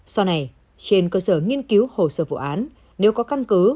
sau này trên cơ sở nghiên cứu hồ sơ vụ án nếu có căn cứ